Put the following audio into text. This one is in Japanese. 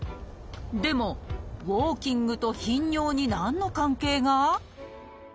でもウォーキングと頻尿に何の関係が？